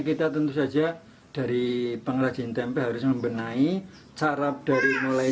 kita tentu saja dari pengelajin tempe harus memiliki kualitas produksi tempe